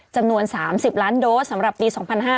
จำนวน๓๐ล้านโดสสำหรับปี๒๕๕๙